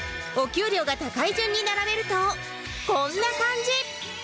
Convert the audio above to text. お給料が高い順に並べるとこんな感じ